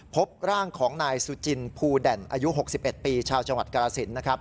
พบร่างของนายสุจินภูแด่นอายุ๖๑ปีชาวจังหวัดกรสินนะครับ